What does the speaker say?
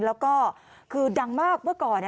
แล้วก็คือดังมากเมื่อก่อน